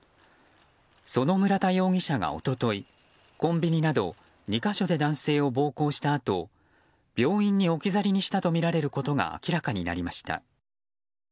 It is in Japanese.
その村田容疑者が一昨日コンビニなど２か所で男性を暴行したあと病院に置き去りにしたとみられることが明らかになりました。